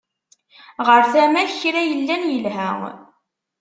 Ɣer tama-k kra yellan yelha.